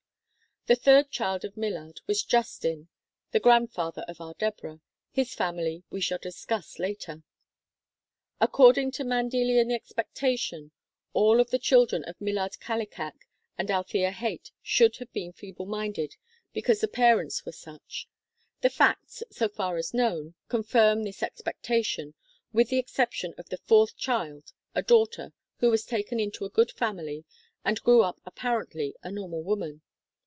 The third child of Millard was Justin (Chart IX, sec tion E), the grandfather of our Deborah. His family we shall discuss later. According to Mendelian expectation, all of the chil dren of Millard Kallikak and Althea Haight should have been feeble minded, because the parents were such. The facts, so far as known, confirm this expectation, with the exception of the fourth child, a daughter, who was taken into a good family and grew up apparently a normal woman.